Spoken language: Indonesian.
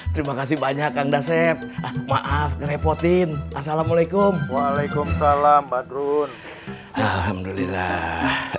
terima kasih banyak kang dasep maaf ngerepotin assalamualaikum alhamdulillah